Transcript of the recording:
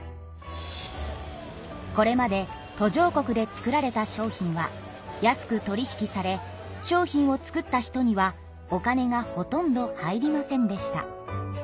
これまで途上国で作られた商品は安く取り引きされ商品を作った人にはお金がほとんど入りませんでした。